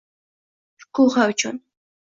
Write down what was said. Shukuhi uchun.